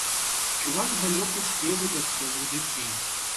Чуваць здалёку спевы вясковых дзяцей.